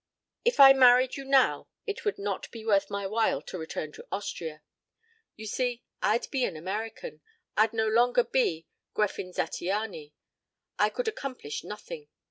"If I married you now it would not be worth my while to return to Austria. ... You see, I'd be an American. I'd no longer be Gräfin Zattiany. ... I could accomplish nothing.